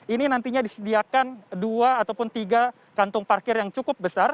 ini nantinya disediakan dua ataupun tiga kantung parkir yang cukup besar